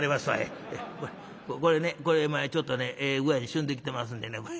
これねこれちょっとねええ具合にしゅんできてますんでね。